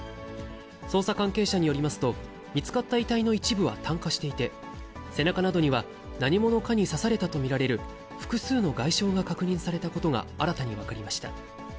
捜査関係者によりますと、見つかった遺体の一部は炭化していて、背中などには、何者かに刺されたと見られる複数の外傷が確認されたことが、新たに分かりました。